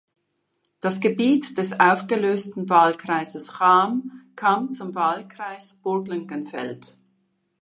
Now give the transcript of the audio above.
Das Gebiet des aufgelösten Wahlkreises Cham kam zum Wahlkreis Burglengenfeld.